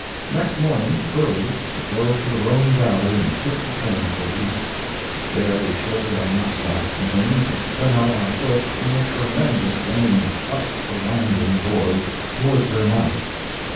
Next morning, early, we drove to the Rhone valley and took the train for Visp. There we shouldered our knapsacks and things, and set out on foot, in a tremendous rain, up the winding gorge, toward Zermatt.